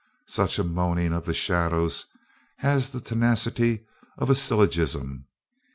Such a moaning of the shadows has the tenacity of a syllogism.